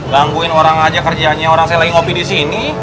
gangguin orang aja kerjaannya orang saya lagi ngopi disini